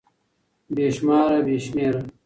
بې شماره √ بې شمېره